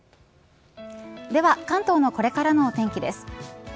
では、関東のこれからのお天気です。